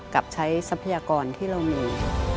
กับใช้ทรัพยากรที่เรามี